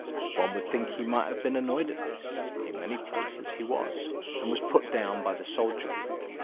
One would think he might have been annoyed at that; in many places he was, and was put down by the soldiery.